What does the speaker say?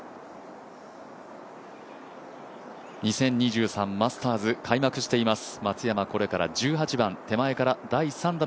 ２０２３年マスターズ、開幕しています。